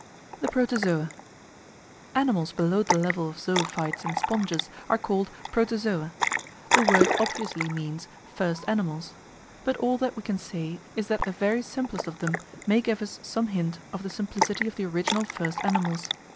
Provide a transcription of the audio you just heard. The Protozoa Animals below the level of zoophytes and sponges are called Protozoa. The word obviously means "First Animals," but all that we can say is that the very simplest of them may give us some hint of the simplicity of the original first animals.